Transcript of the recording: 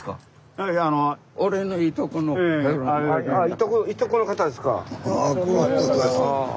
ああいとこの方ですか。